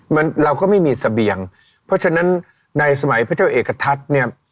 มันเราก็ไม่มีเสบียงเพราะฉะนั้นในสมัยพระเจ้าเอกทัศน์เนี่ย